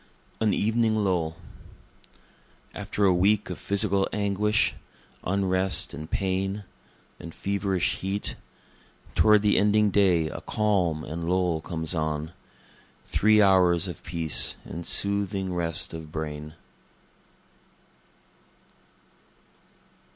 An Evening Lull After a week of physical anguish, Unrest and pain, and feverish heat, Toward the ending day a calm and lull comes on, Three hours of peace and soothing rest of brain.